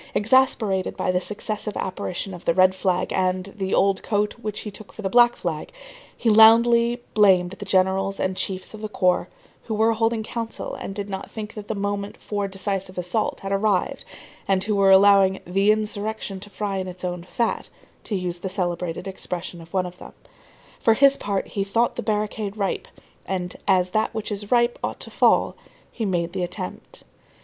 Exasperated by the successive apparition of the red flag and the old coat which he took for the black flag, he loudly blamed the generals and chiefs of the corps, who were holding council and did not think that the moment for the decisive assault had arrived, and who were allowing "the insurrection to fry in its own fat," to use the celebrated expression of one of them. For his part, he thought the barricade ripe, and as that which is ripe ought to fall, he made the attempt.